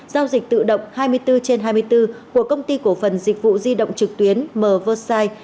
giao dịch tự động hai mươi bốn trên hai mươi bốn của công ty cổ phần dịch vụ di động trực tuyến mvci